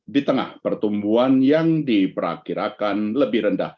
di tengah pertumbuhan yang diperkirakan lebih rendah